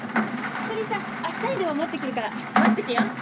薬さ明日にでも持ってくるから待っててよ。